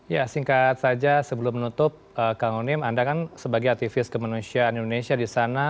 ya singkat saja sebelum menutup kang onim anda kan sebagai aktivis kemanusiaan indonesia di sana